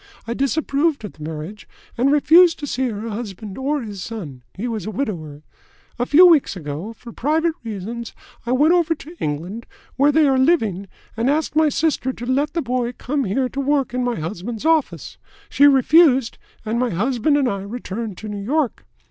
I disapproved of the marriage, and refused to see her husband or his son he was a widower. A few weeks ago, for private reasons, I went over to England, where they are living, and asked my sister to let the boy come here to work in my husband's office. She refused, and my husband and I returned to New York.